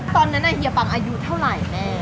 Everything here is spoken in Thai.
ตอนนั้นเฮียปังอายุเท่าไหร่แม่